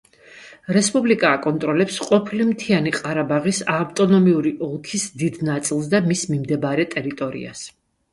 რესპუბლიკა აკონტროლებს ყოფილი მთიანი ყარაბაღის ავტონომიური ოლქის დიდ ნაწილს და მის მიმდებარე ტერიტორიას.